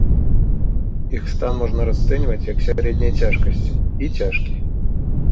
Іх стан можна расцэньваць як сярэдняй цяжкасці і цяжкі.